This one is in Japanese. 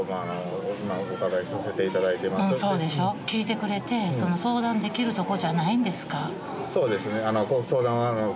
そうでしょう聞いてくれて相談できるとこじゃないんですか？